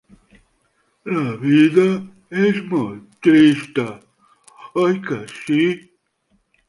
La vida és molt trista, oi que sí?